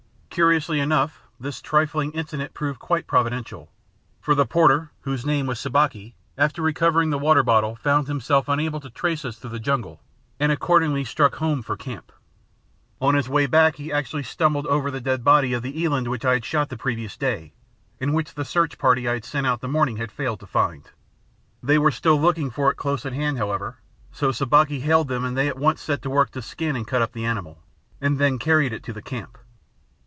Curiously enough, this trifling incident proved quite providential; for the porter (whose name was Sabaki), after recovering the water bottle, found himself unable to trace us through the jungle and accordingly struck home for camp. On his way back he actually stumbled over the dead body of the eland which I had shot the previous day and which the search party I had sent out in the morning had failed to find. They were still looking for it close at hand, however, so Sabaki hailed them and they at once set to work to skin and cut up the animal, and then carried it to the camp.